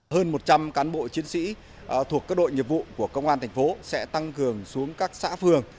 hơn một trăm linh cán bộ chiến sĩ thuộc các đội nghiệp vụ của công an thành phố sẽ tăng cường xuống các xã phường